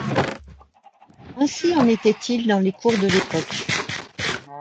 Ainsi en était-il dans les cours de l'époque.